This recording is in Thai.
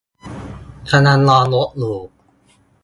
กำลังรอรถอยู่